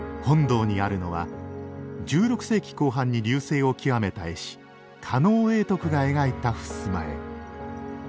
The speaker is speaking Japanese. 本堂にあるのは１６世紀後半に隆盛を極めた絵師狩野永徳が描いた襖絵。